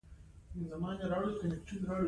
پېټټ انځور د نړۍ د خلکو لپاره خپور کړ.